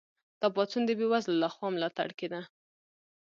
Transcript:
دا پاڅون د بې وزلو لخوا ملاتړ کیده.